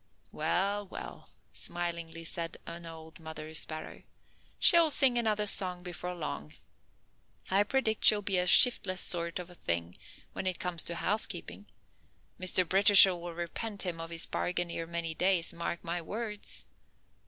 "Well, well," smilingly said an old mother sparrow, "she'll sing another song before long. I predict she'll be a shiftless sort of a thing when it comes to housekeeping. Mr. Britisher will repent him of his bargain ere many days, mark my words!